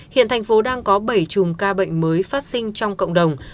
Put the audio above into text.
hiện thành phố đang có bảy chùm ca bệnh mới phát sinh trong cộng đồng